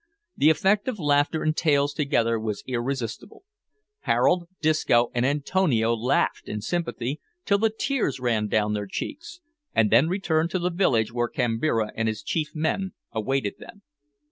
The effect of laughter and tails together was irresistible. Harold, Disco, and Antonio laughed in sympathy, till the tears ran down their cheeks, and then returned to the village where Kambira and his chief men awaited them.